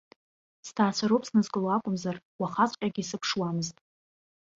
Сҭаацәа роуп снызкыло акәымзар, уахаҵәҟьагьы сыԥшуамызт.